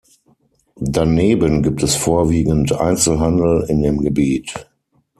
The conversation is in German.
Daneben gibt es vorwiegend Einzelhandel in dem Gebiet.